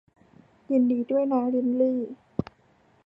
ยินดีด้วยนะลิลลี่